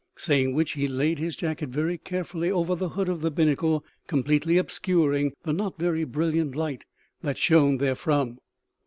Saying which, he laid his jacket very carefully over the hood of the binnacle, completely obscuring the not very brilliant light that shone therefrom.